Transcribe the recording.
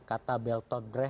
kata beltogre selalu